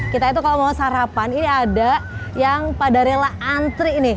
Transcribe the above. kita itu kalau mau sarapan ini ada yang pada rela antri nih